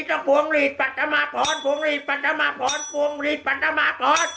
จะฝวงหลีดปัฒนาพรฝวงหลีดปัฒนาพรฝวงหลีดปัฒนาพร